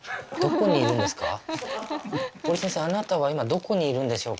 あなたは今どこにいるんでしょうか？